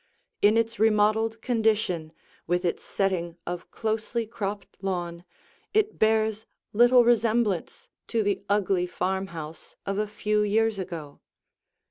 In its remodeled condition, with its setting of closely cropped lawn, it bears little resemblance to the ugly farmhouse of a few years ago.